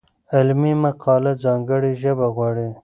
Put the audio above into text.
علمي مقاله ځانګړې ژبه غواړي.